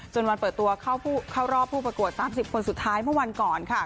วันเปิดตัวเข้ารอบผู้ประกวด๓๐คนสุดท้ายเมื่อวันก่อนค่ะ